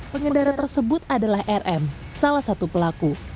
pengendara tersebut adalah rm salah satu pelaku